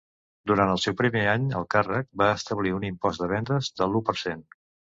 Durant el seu primer any al càrrec, va establir un impost de vendes de l'u per cent.